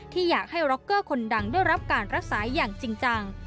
ที่อยากให้ร็อกเกอร์คนดังได้รับการรักษาอย่างจริงจัง